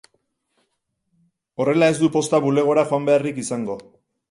Horrela, ez du posta-bulegora joan beharrik izango.